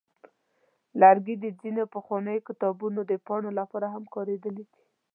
لرګي د ځینو پخوانیو کتابونو د پاڼو لپاره هم کارېدلي دي.